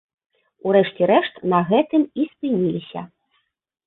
У рэшце рэшт, на гэтым і спыніліся.